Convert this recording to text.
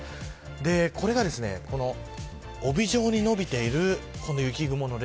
これが、帯状に伸びているこの雪雲の列。